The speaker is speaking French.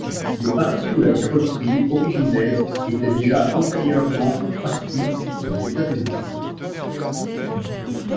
Des parties de la carrosserie originelle étaient déjà antérieurement parties aux États-Unis.